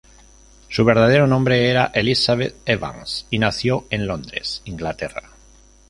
Su verdadero nombre era Elizabeth Evans, y nació en Londres, Inglaterra.